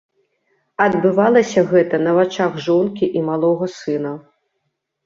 Адбывалася гэта на вачах жонкі і малога сына.